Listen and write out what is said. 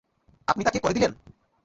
আপনি তাকে করে দিলেন?